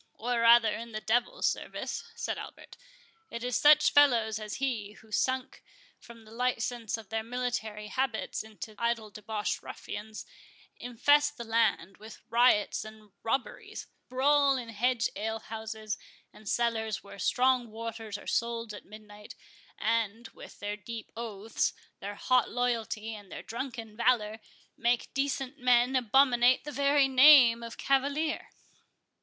"Or rather in the devil's service," said Albert. "It is such fellows as he, who, sunk from the license of their military habits into idle debauched ruffians, infest the land with riots and robberies, brawl in hedge alehouses and cellars where strong waters are sold at midnight, and, with their deep oaths, their hot loyalty, and their drunken valour, make decent men abominate the very name of cavalier."